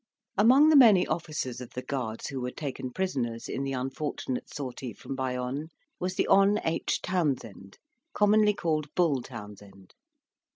Among the many officers of the Guards who were taken prisoners in the unfortunate sortie from Bayonne, was the Hon. H. Townshend, commonly called Bull Townshend.